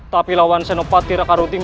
tapi lawan senopati raka rutin